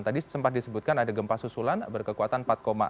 tadi sempat disebutkan ada gempa susulan berkekuatan empat enam